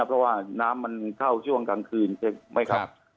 เพราะว่าน้ำมันเข้าช่วงกลางคืนใช่ไหมครับ